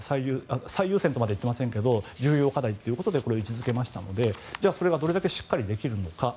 最優先とは言っていませんけど重要課題ということで位置づけましたのでどれだけしっかりできるのか。